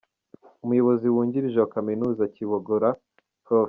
Umuyobozi Wungirije wa Kaminuza ya Kibogora, Prof.